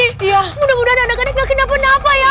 ibu nanti mudah mudahan anak anak gak kenapa napa ya